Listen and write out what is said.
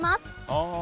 ああ。